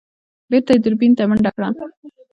بېرته يې دوربين ته منډه کړه.